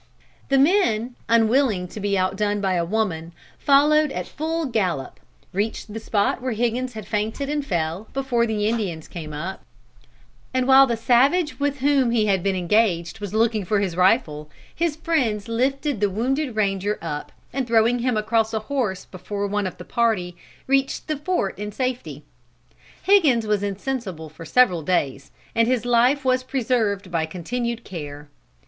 "The men, unwilling to be outdone by a woman, followed at full gallop, reached the spot where Higgins had fainted and fell, before the Indians came up, and while the savage with whom he had been engaged was looking for his rifle, his friends lifted the wounded ranger up and throwing him across a horse before one of the party, reached the fort in safety. "Higgins was insensible for several days, and his life was preserved by continued care.